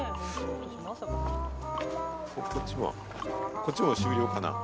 こっちも終了かな？